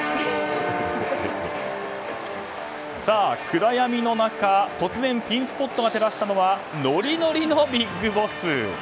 暗闇の中、突然ピンスポットが照らしたのはノリノリのＢＩＧＢＯＳＳ。